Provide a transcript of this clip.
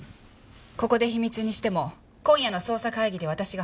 ここで秘密にしても今夜の捜査会議で私が話します。